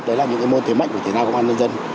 đó là những cái môn thế mạnh của thể thao công an nhân dân